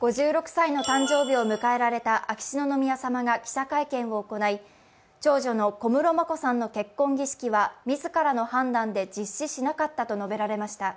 ５６歳の誕生日を迎えられた秋篠宮さまが記者会見を行い長女の小室眞子さんの結婚儀式は自らの判断で実施しなかったと述べられました。